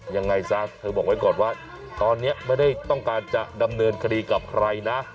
ยังไงซะเธอบอกไว้ก่อนว่าตอนนี้ไม่ได้ต้องการจะดำเนินคดีกับใครนะ